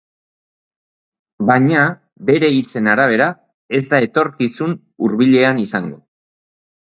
Baina, bere hitzen arabera ez da etorkizun hurbilean izango.